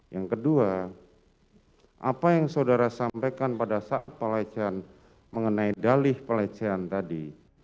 yang kedua apa yang saudara sampaikan pada saat pelecehan mengenai dalih pelecehan tadi